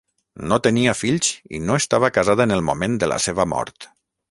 No tenia fills i no estava casada en el moment de la seva mort.